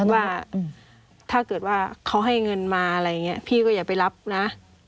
ว่าถ้าเกิดว่าเขาให้เงินมาอะไรอย่างนี้พี่ก็อย่าไปรับนะ